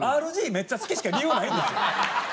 めっちゃ好きしか理由ないんですよ。